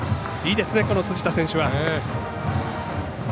いいですね、辻田選手。